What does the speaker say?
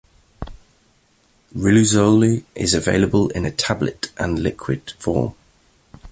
Riluzole is available in a tablet and liquid form.